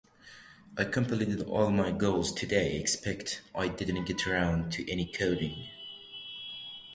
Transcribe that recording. I completed all my goals today, except I didn't get around to any coding.